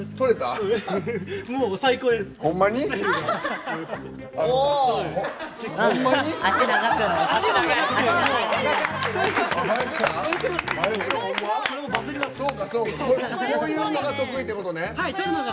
こういうのが得意ってことね。